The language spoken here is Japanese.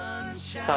．さあ